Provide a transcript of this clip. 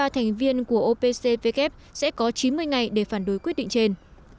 một trăm chín mươi ba thành viên của opcvk sẽ có chín mươi ngày để phản đối quyết định trên